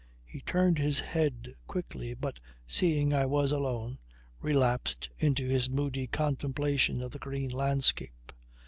He turned his head quickly, but seeing I was alone, relapsed into his moody contemplation of the green landscape.